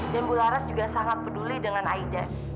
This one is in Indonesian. dan bu laras juga sangat peduli dengan aida